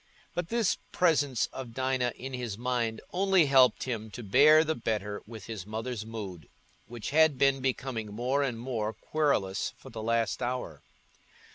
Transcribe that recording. But this presence of Dinah in his mind only helped him to bear the better with his mother's mood, which had been becoming more and more querulous for the last hour.